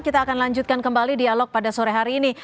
kita akan lanjutkan kembali dialog pada sore hari ini